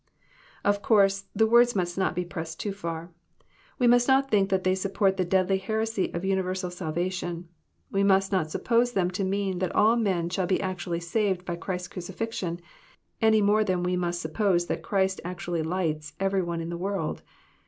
Of course the words must not be pressed too far. We must not think that they support the deadly heresy of universal sal vation. We must not suppose them to mean that all men shall be actually saved by Christ's crucifixion, any more than we must suppose that Christ actually *' lights " every one in the world.